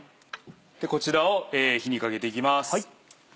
こちらを火にかけていきます。